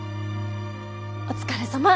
お疲れさま。